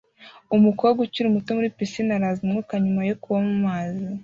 Umukobwa ukiri muto muri pisine araza umwuka nyuma yo kuba mumazi